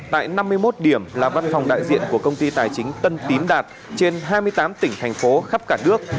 tại năm mươi một điểm là văn phòng đại diện của công ty tài chính tân tín đạt trên hai mươi tám tỉnh thành phố khắp cả nước